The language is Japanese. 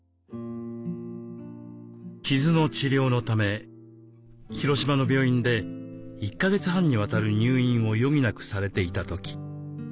傷の治療のため広島の病院で１か月半にわたる入院を余儀なくされていた時。